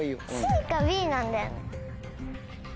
ＣかＢなんだよね。